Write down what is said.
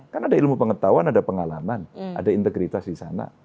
kan ada ilmu pengetahuan ada pengalaman ada integritas di sana